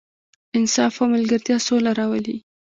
انصاف او ملګرتیا سوله راولي.